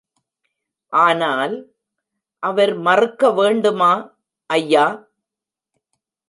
ஆனால், அவர் மறுக்க வேண்டுமா, ஐயா?